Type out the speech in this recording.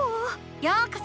ようこそ！